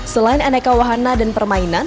selain aneka wahana dan permainan